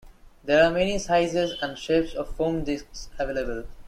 There are many sizes and shapes of foam disks available.